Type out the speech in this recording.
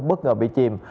bất ngờ bị chết